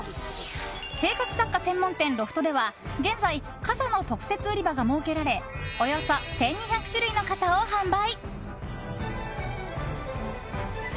生活雑貨専門店ロフトでは現在、傘の特設売り場が設けられおよそ１２００種類の傘を販売。